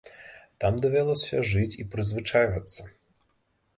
Там давялося жыць і прызвычайвацца.